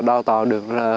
đào tạo nghề